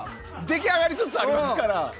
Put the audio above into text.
出来上がりつつありますから。